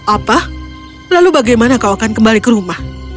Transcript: apa lalu bagaimana kau akan kembali ke rumah